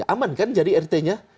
aman kan jadi rt nya